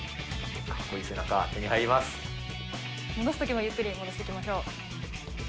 戻すときもゆっくり戻していきましょう。